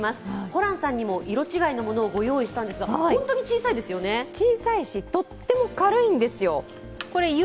ホランさんにも色違いのものをご用意したんですが小さいし、とっても軽いんですよ